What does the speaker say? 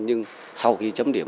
nhưng sau khi chấm điểm